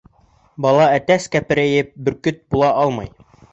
Бала әтәс кәперәйеп бөркөт була алмай.